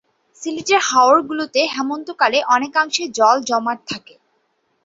সিলেটের হাওর গুলোতে হেমন্ত কালে অনেকাংশে জল জমাট থাকে।